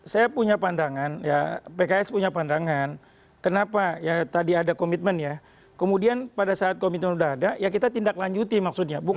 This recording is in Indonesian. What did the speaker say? saya punya pandangan ya pks punya pandangan kenapa ya tadi ada komitmen ya kemudian pada saat komitmen sudah ada ya kita tindak lanjuti maksudnya